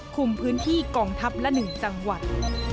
คุมพื้นที่กองทัพละหนึ่งจังวัตร